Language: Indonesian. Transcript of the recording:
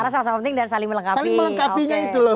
saling melengkapinya itu loh